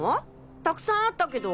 たくさんあったけど。